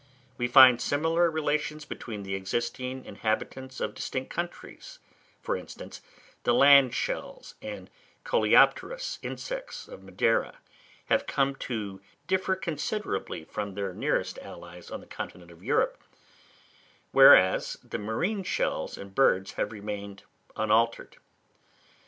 We find similar relations between the existing inhabitants of distinct countries; for instance, the land shells and coleopterous insects of Madeira have come to differ considerably from their nearest allies on the continent of Europe, whereas the marine shells and birds have remained unaltered.